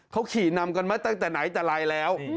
เขาขี่นำกันมาตั้งแต่ไหนแต่ไรแล้ว